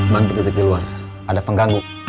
bang di depan di luar ada pengganggu